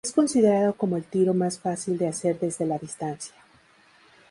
Es considerado como el tiro más fácil de hacer desde la distancia.